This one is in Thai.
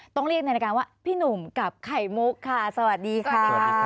ต้องเรียกในรายการว่าพี่หนุ่มกับไข่มุกค่ะสวัสดีค่ะ